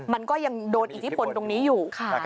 มันก็ยังโดนอิทธิพลตรงนี้อยู่